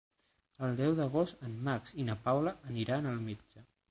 El deu d'agost en Max i na Paula aniran al metge.